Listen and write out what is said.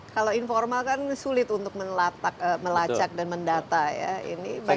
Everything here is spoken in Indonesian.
kalau informal kan sulit untuk melacak dan mendatang